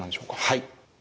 はい。